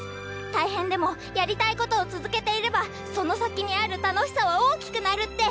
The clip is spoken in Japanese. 大変でもやりたいことを続けていればその先にある楽しさは大きくなるって。